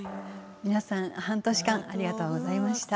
皆さん、半年間ありがとうございました。